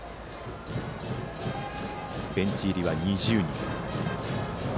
ベンチ入りは２０人。